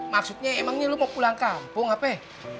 maksudnya emang ini lu mau pulang kampung apa ya